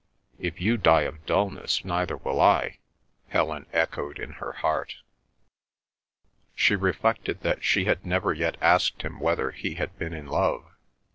"If you die of dulness, neither will I," Helen echoed in her heart. She reflected that she had never yet asked him whether he had been in love.